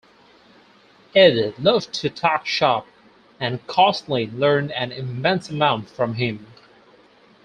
Ed loved to "talk shop" and Kosslyn learned an immense amount from him.